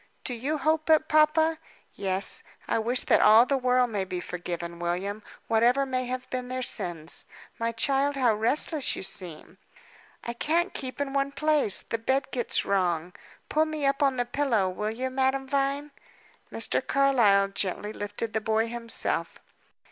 "Do you hope it, papa?" "Yes. I wish that all the world may be forgiven, William, whatever may have been their sins. My child, how restless you seem!" "I can't keep in one place; the bed gets wrong. Pull me up on the pillow, will you Madame Vine?" Mr. Carlyle gently lifted the boy himself.